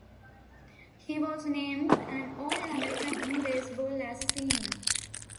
He was named an All-American in baseball as a senior.